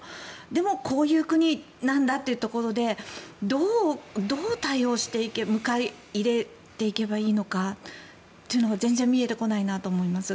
でも、こういう国なんだというところでどう対応していけば迎え入れていけばいいのかというのが全然見えてこないなと思います。